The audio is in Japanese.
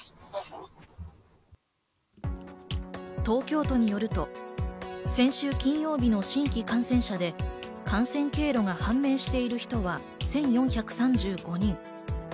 東京都によると、先週金曜日の新規感染者で感染経路が判明している人は１４３５人。